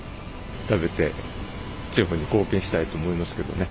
食べて、地域に貢献したいと思いますけどね。